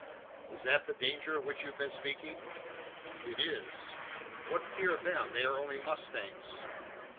"Is that the danger of which you have been speaking?" "It is." "What fear of them? They are only mustangs!"